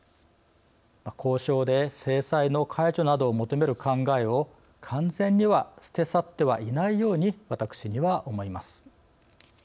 交渉で制裁の解除などを求める考えを完全には捨て去ってはいないように私には思えます。